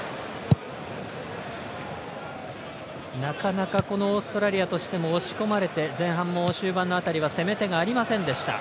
なかなかオーストラリアとしても押し込まれて、前半終盤の辺りは攻め手がありませんでした。